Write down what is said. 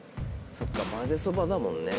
そっかまぜそばだもんね。